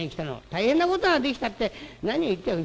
「大変なことができたって何を言ってやがる。